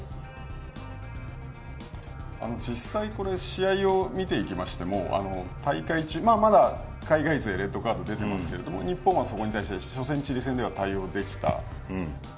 実際、試合を見ていきましても海外勢でレッドカードが出てますけども日本は、そこに対して初戦のチリ戦では対応できた。